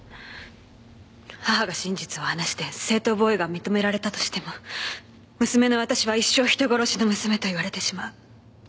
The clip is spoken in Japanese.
母が真実を話して正当防衛が認められたとしても娘の私は一生人殺しの娘と言われてしまう。